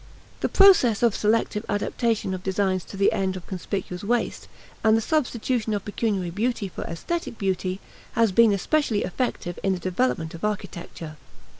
This process of selective adaptation of designs to the end of conspicuous waste, and the substitution of pecuniary beauty for aesthetic beauty, has been especially effective in the development of architecture.